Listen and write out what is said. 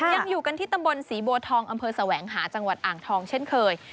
ยังอยู่กันที่ตำบลศรีบัวทองอำเภอแสวงหาจังหวัดอ่างทองเช่นเคย